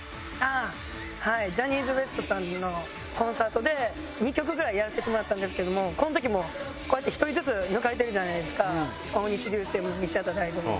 「ジャニーズＷＥＳＴさんのコンサートで２曲ぐらいやらせてもらったんですけどもこの時もこうやって１人ずつ抜かれてるじゃないですか大西流星も西畑大吾も」